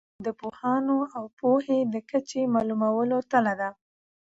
هنر د یو ملت د پوهانو او پوهې د کچې د معلومولو تله ده.